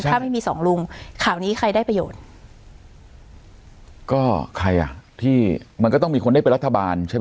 ถ้าไม่มีสองลุงข่าวนี้ใครได้ประโยชน์ก็ใครอ่ะที่มันก็ต้องมีคนได้เป็นรัฐบาลใช่ไหม